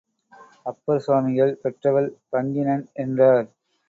அப்பர் சுவாமிகள், பெற்றவள் பங்கினன் என்றார்.